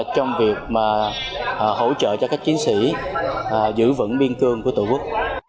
trong việc hỗ trợ cho các chiến sĩ giữ vững biên cương của tổ quốc